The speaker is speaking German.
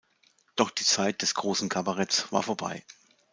Doch die Zeit des großen Kabaretts war vorbei.